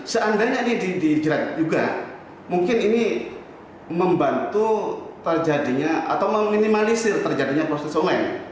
seandainya ini dijerat juga mungkin ini membantu terjadinya atau meminimalisir terjadinya proses somain